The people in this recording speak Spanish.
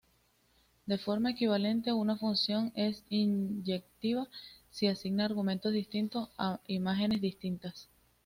De forma equivalente, una función es inyectiva si asigna argumentos distintos a imágenes distintas.